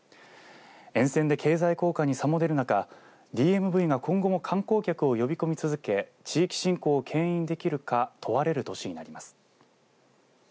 沿線で経済効果に差も出る中ＤＭＶが今後も観光客を呼び込み続け地域振興をけん引できるか問われる年になります。